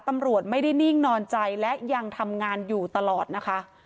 ตำรวจไม่ได้นิ่งนอนใจและยังทำงานอยู่ตลอดนะคะ